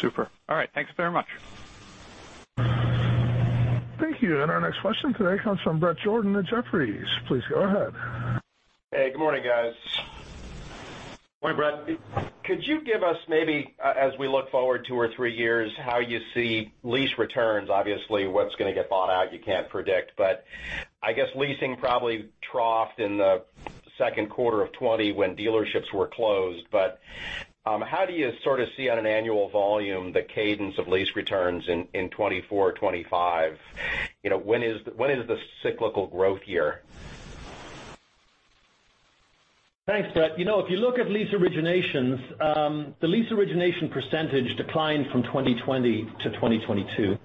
Super. All right. Thanks very much. Thank you. Our next question today comes from Bret Jordan at Jefferies. Please go ahead. Hey, good morning, guys. Good morning, Bret. Could you give us, maybe, as we look forward two or three years, how you see lease returns? Obviously, what's going to get bought out, you can't predict, I guess leasing probably troughed in the second quarter of 2020 when dealerships were closed. How do you sort of see on an annual volume, the cadence of lease returns in 2024, 2025? You know, when is the, when is the cyclical growth year? Thanks, Brett. You know, if you look at lease originations, the lease origination percentage declined from 2020 to 2022.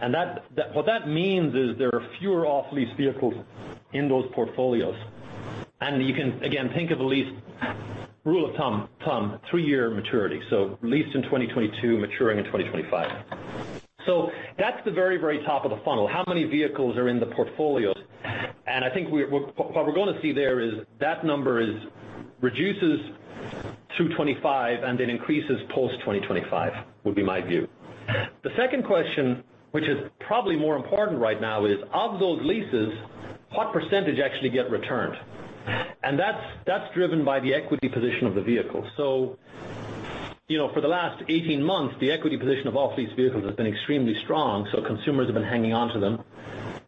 That, that... What that means is there are fewer off-lease vehicles in those portfolios. You can, again, think of a lease rule of thumb, thumb, three-year maturity, so leased in 2022, maturing in 2025. That's the very, very top of the funnel. How many vehicles are in the portfolios? I think we're- what, what we're going to see there is that number is, reduces through 25 and then increases post 2025, would be my view. The second question, which is probably more important right now, is of those leases, what percentage actually get returned? That's, that's driven by the equity position of the vehicle. You know, for the last 18 months, the equity position of off-lease vehicles has been extremely strong, so consumers have been hanging on to them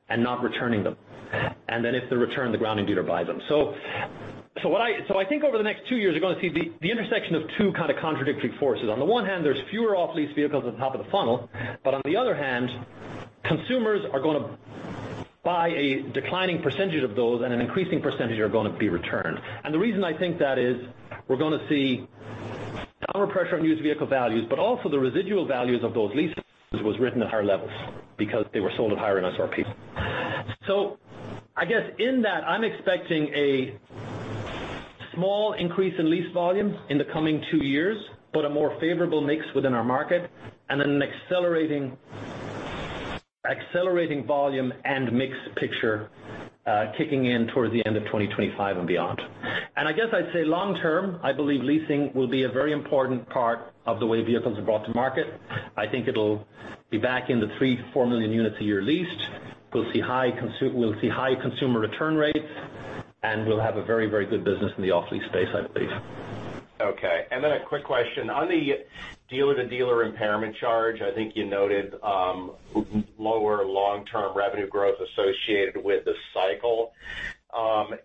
and not returning them. Then if they return, the grounding dealer buys them. I think over the next two years, we're going to see the, the intersection of two kind of contradictory forces. On the one hand, there's fewer off-lease vehicles at the top of the funnel, on the other hand, consumers are going to buy a declining % of those, and an increasing % are going to be returned. The reason I think that is, we're going to see downward pressure on used vehicle values, also the residual values of those leases was written at higher levels because they were sold at higher MSRP. I guess in that, I'm expecting a small increase in lease volume in the coming two years, but a more favorable mix within our market, and then an accelerating volume and mix picture, kicking in toward the end of 2025 and beyond. I guess I'd say long term, I believe leasing will be a very important part of the way vehicles are brought to market. I think it'll be back in the 3 million-4 million units a year leased. We'll see high consumer return rates, and we'll have a very, very good business in the off-lease space, I believe. Okay, a quick question. On the dealer-to-dealer impairment charge, I think you noted lower long-term revenue growth associated with the cycle.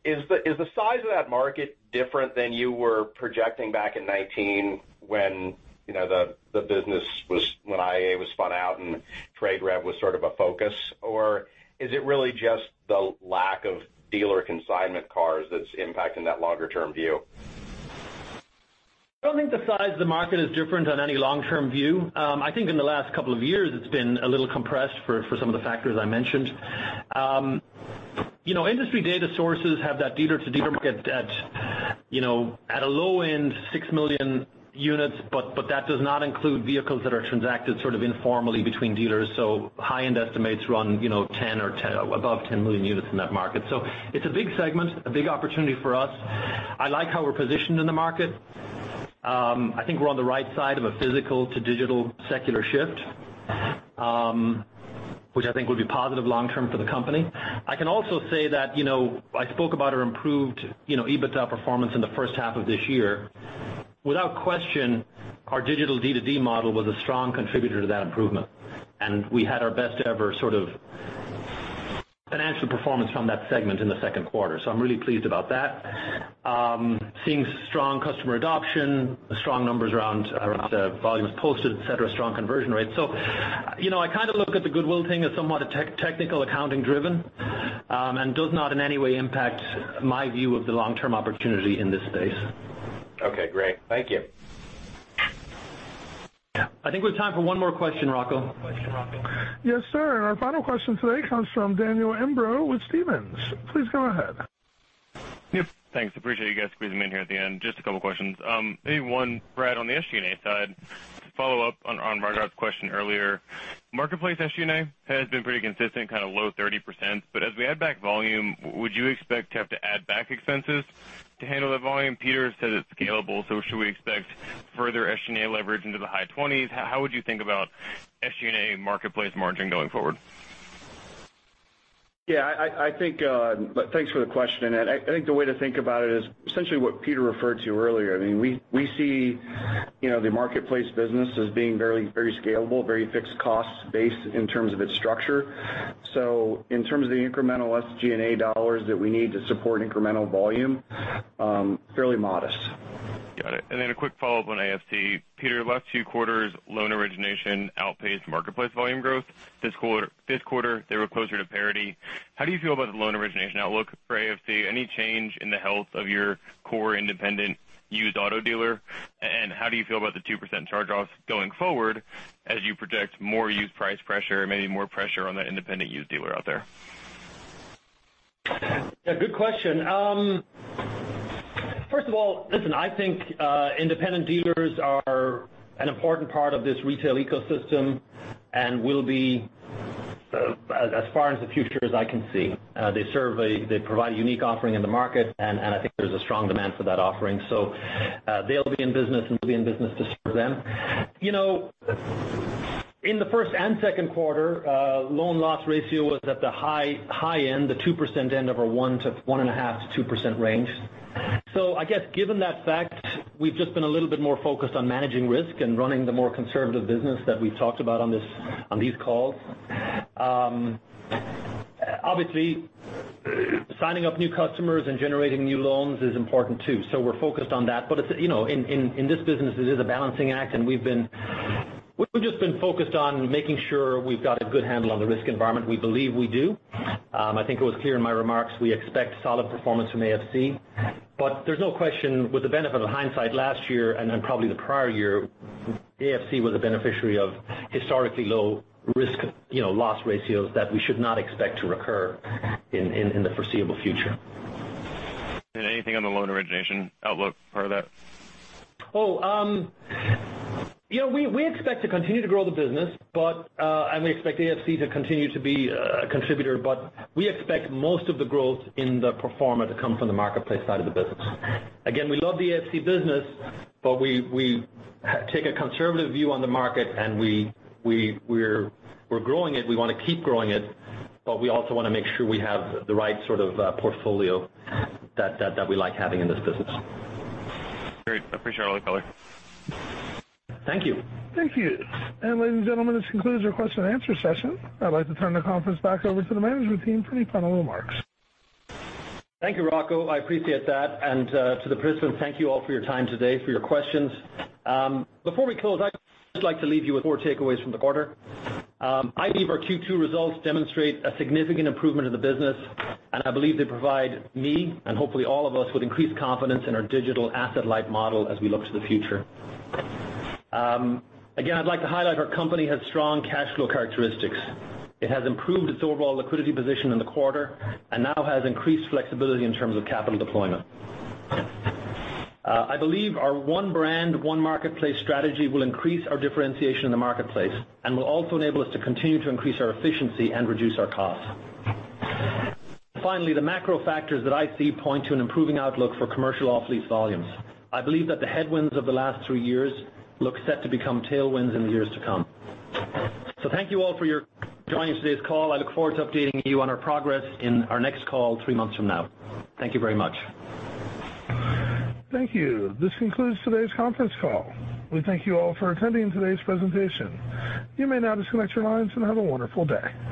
Is the size of that market different than you were projecting back in 2019 when, you know, when IAA was spun out and TradeRev was sort of a focus? Or is it really just the lack of dealer consignment cars that's impacting that longer-term view? I don't think the size of the market is different on any long-term view. I think in the last couple of years, it's been a little compressed for some of the factors I mentioned. You know, industry data sources have that dealer-to-dealer market at, you know, at a low end, six million units, but that does not include vehicles that are transacted sort of informally between dealers. High-end estimates run, you know, 10 or above 10 million units in that market. It's a big segment, a big opportunity for us. I like how we're positioned in the market. I think we're on the right side of a physical to digital secular shift, which I think will be positive long term for the company. I can also say that, you know, I spoke about our improved, you know, EBITDA performance in the first half of this year. Without question, our digital D2D model was a strong contributor to that improvement, and we had our best ever sort of financial performance from that segment in the second quarter. I'm really pleased about that. Seeing strong customer adoption, strong numbers around, around volumes posted, et cetera, strong conversion rates. You know, I kind of look at the goodwill thing as somewhat a technical, accounting driven, and does not in any way impact my view of the long-term opportunity in this space. Okay, great. Thank you. I think we have time for one more question, Rocco. Yes, sir. Our final question today comes from Daniel Imbro with Stephens. Please go ahead. Yep. Thanks. I appreciate you guys squeezing me in here at the end. Just a couple questions. Maybe one, Brad, on the SG&A side, to follow up on Rajat question earlier. Marketplace SG&A has been pretty consistent, kind of low 30%, but as we add back volume, would you expect to have to add back expenses to handle that volume? Peter said it's scalable, so should we expect further SG&A leverage into the high 20s? How would you think about SG&A marketplace margin going forward? Yeah, I, I think. Thanks for the question, and I, I think the way to think about it is essentially what Peter referred to earlier. I mean, we, we see, you know, the marketplace business as being very, very scalable, very fixed cost base in terms of its structure. In terms of the incremental SG&A dollars that we need to support incremental volume, fairly modest. Got it. Then a quick follow-up on AFC. Peter, last two quarters, loan origination outpaced marketplace volume growth. This quarter, they were closer to parity. How do you feel about the loan origination outlook for AFC? Any change in the health of your core independent used auto dealer? And how do you feel about the 2% charge-offs going forward as you project more used price pressure and maybe more pressure on the independent used dealer out there? Yeah, good question. first of all, listen, I think independent dealers are an important part of this retail ecosystem and will be as, as far as the future as I can see. they serve a-- they provide a unique offering in the market, and, and I think there's a strong demand for that offering. they'll be in business, and we'll be in business to serve them. You know, in the first and second quarter, loan loss ratio was at the high, high end, the 2% end of our 1% to 1.5% to 2% range. I guess given that fact, we've just been a little bit more focused on managing risk and running the more conservative business that we've talked about on this- on these calls. Obviously, signing up new customers and generating new loans is important, too, so we're focused on that. You know, in, in, in this business, it is a balancing act, and we've been. We've just been focused on making sure we've got a good handle on the risk environment. We believe we do. I think it was clear in my remarks, we expect solid performance from AFC. There's no question, with the benefit of hindsight, last year and then probably the prior year, AFC was a beneficiary of historically low risk, you know, loss ratios that we should not expect to recur in the foreseeable future. Anything on the loan origination outlook part of that? Oh, you know, we, we expect to continue to grow the business, but, and we expect AFC to continue to be a contributor, but we expect most of the growth in the pro forma to come from the marketplace side of the business. Again, we love the AFC business, but we, we take a conservative view on the market, and we, we, we're, we're growing it. We want to keep growing it, but we also want to make sure we have the right sort of portfolio that, that, that we like having in this business. Great. I appreciate all the color. Thank you. Thank you. Ladies and gentlemen, this concludes our question and answer session. I'd like to turn the conference back over to the management team for any final remarks. Thank you, Rocco. I appreciate that. To the participants, thank you all for your time today, for your questions. Before we close, I'd just like to leave you with four takeaways from the quarter. I believe our Q2 results demonstrate a significant improvement in the business, and I believe they provide me, and hopefully all of us, with increased confidence in our digital asset-light model as we look to the future. Again, I'd like to highlight our company has strong cash flow characteristics. It has improved its overall liquidity position in the quarter and now has increased flexibility in terms of capital deployment. I believe our one brand, one marketplace strategy will increase our differentiation in the marketplace and will also enable us to continue to increase our efficiency and reduce our costs. The macro factors that I see point to an improving outlook for commercial off-lease volumes. I believe that the headwinds of the last three years look set to become tailwinds in the years to come. Thank you all for your joining today's call. I look forward to updating you on our progress in our next call, three months from now. Thank you very much. Thank you. This concludes today's conference call. We thank you all for attending today's presentation. You may now disconnect your lines and have a wonderful day.